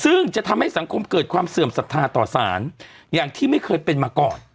ซึ่งจะทำให้สังคมเกิดความเสื่อมศรัทธาต่อสารอย่างที่ไม่เคยเป็นมาก่อน